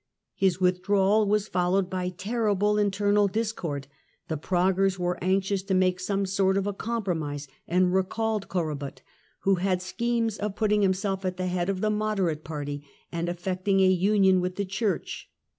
His with drawal was followed by terrible internal discord ; the Praguers were anxious to make some sort of a com Civii War promise, and recalled Korybut, who had schemes of Ziska and putting himself at the head of the moderate party and *^g"^^°t^y"_^ effecting a union with the Church.